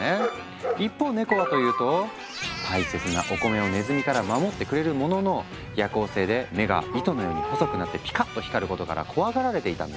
一方ネコはというと大切なお米をネズミから守ってくれるものの夜行性で目が糸のように細くなってピカッと光ることから怖がられていたんだ。